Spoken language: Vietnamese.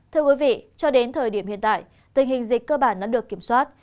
thưa quý vị cho đến thời điểm hiện tại tình hình dịch cơ bản đã được kiểm soát